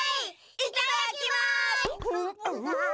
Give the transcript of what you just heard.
いっただっきます！